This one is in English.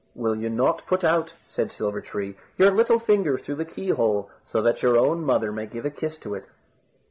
"Will you not put out," said Silver tree, "your little finger through the key hole, so that your own mother may give a kiss to it?"